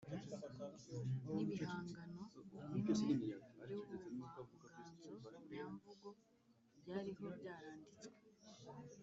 n’ibihangano bimwe by’ubuvanganzo nyamvugo byariho byaranditswe.